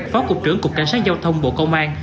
phó cục trưởng cục cảnh sát giao thông bộ công an